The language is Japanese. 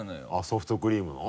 ソフトクリームの？